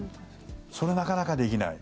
それ、なかなかできない。